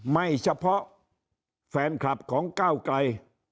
ไม่เฉพาะแฟนคลับของก้าวไกล